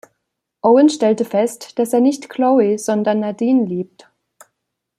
Owen stellt fest, dass er nicht Chloe, sondern Nadine liebt.